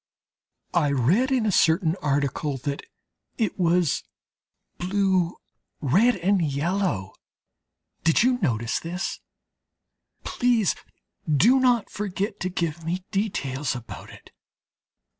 I read in a certain article that it was blue, red, and yellow. Did you notice this? Please do not forget to give me details about it....